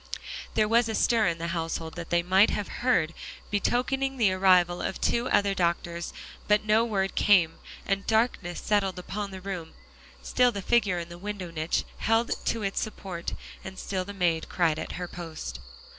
There was a stir in the household that they might have heard, betokening the arrival of two other doctors, but no word came. And darkness settled upon the room. Still the figure in the window niche held to its support, and still the maid cried at her post.